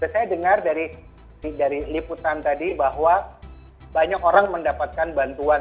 saya dengar dari liputan tadi bahwa banyak orang mendapatkan bantuan